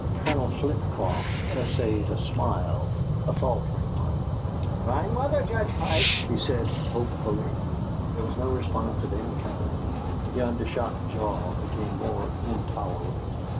Colonel Flitcroft essayed a smile, a faltering one. "Fine weather, Judge Pike," he said, hopefully. There was no response of any kind; the undershot jaw became more intolerant.